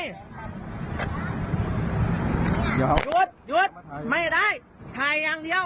ย้โหลยื่อยือไม่ได้ถ่ายอย่างเดียว